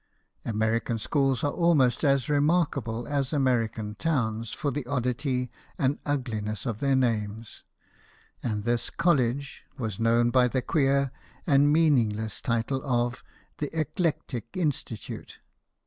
American schools are almost as remarkable as American towns for the oddity and ugliness of their names ; and this " college " was known by the queer and meaningless title of the " Eclectic Institute."